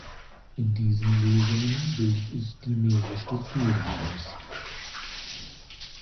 In diesen Lösungen bildet es dimere Strukturen aus.